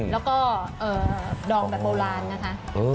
แล้วก็ดองแบบโบราณนะคะ